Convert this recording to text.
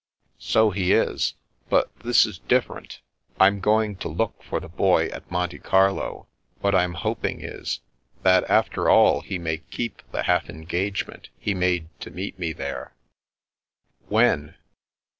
" So he is. But this is different. I'm going to look for the Boy at Monte Carlo. What I'm hoping is, that after all he may keep the half engagement he made to meet me there." "When?"